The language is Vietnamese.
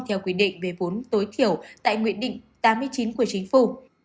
theo quy định về vốn tối thiểu tại nguyện định tám mươi chín của chính phủ